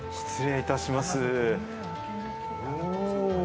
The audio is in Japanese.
失礼いたします。